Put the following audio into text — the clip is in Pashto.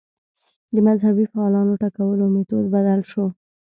د مذهبي فعالانو ټکولو میتود بدل شو